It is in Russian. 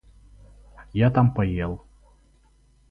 Я там поел.